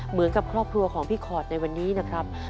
เหมือนกับครอบครัวของพี่ขอดในวันนี้นะครับ